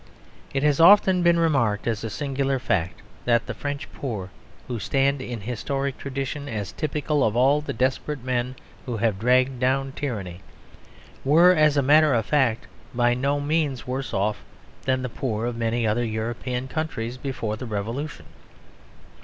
It has often been remarked as a singular fact that the French poor, who stand in historic tradition as typical of all the desperate men who have dragged down tyranny, were, as a matter of fact, by no means worse off than the poor of many other European countries before the Revolution.